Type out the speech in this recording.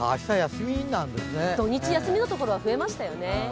土日休みのところが増えましたよね。